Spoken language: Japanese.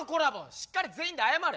しっかり全員で謝れ。